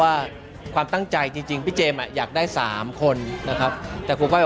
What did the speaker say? ว่าความตั้งใจจริงพี่เจมส์อ่ะอยากได้สามคนนะครับแต่คุณก้อย